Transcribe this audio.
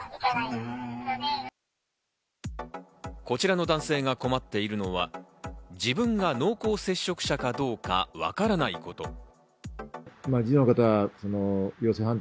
こちらの男性が困っているのは自分が濃厚接触者かどうかわからないこと。